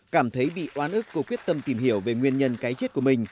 cảm thấy bị oán ức cô quyết tâm tìm hiểu về nguyên nhân cái chết của mình